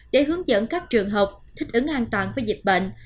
để hướng dẫn các trường học thích ứng an toàn với dịch bệnh